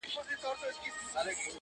شېخ سره وښورېدی زموږ ومخته کم راغی ـ